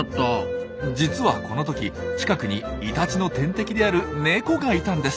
実はこの時近くにイタチの天敵であるネコがいたんです。